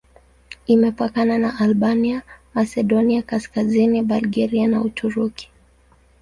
Imepakana na Albania, Masedonia Kaskazini, Bulgaria na Uturuki.